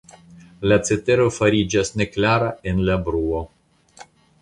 La cetero fariĝas neklara en la bruo.